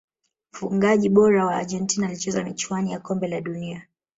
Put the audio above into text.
mfungaji bora wa argentina alicheza michuani ya kombe la dunia